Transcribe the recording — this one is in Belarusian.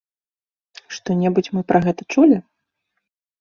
Што-небудзь мы пра гэта чулі?